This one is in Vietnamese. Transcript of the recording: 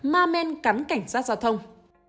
ma men cắn cảnh sát giao thông